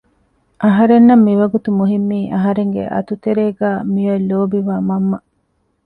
އަހަރެންނަށް މިވަގުތު މުހިއްމީ އަހަރެންގެ އަތުތެރޭގައި މިއޮތް ލޯބިވާ މަންމަ